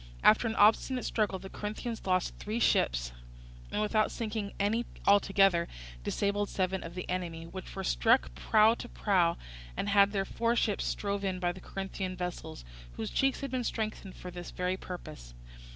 After an obstinate struggle, the Corinthians lost three ships, and without sinking any altogether, disabled seven of the enemy, which were struck prow to prow and had their foreships stove in by the Corinthian vessels, whose cheeks had been strengthened for this very purpose.